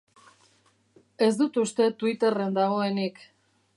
Ez dut uste Twitterren dagoenik.